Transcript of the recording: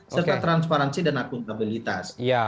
serta transparansi dan akuntabilitasnya